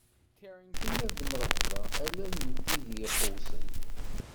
Tiniḍ mreḥba, a lal n tiddi iqewsen.